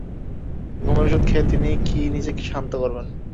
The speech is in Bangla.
ঘুমের ওষুধ খেয়ে তিনি কি নিজেকে শান্ত করবেন?